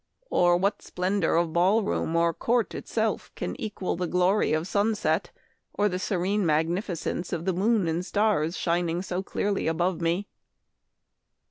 or what splendor of ball room or court itself can equal the glory of sun set or the serene magnificence of the moon and stars shining so clearly above me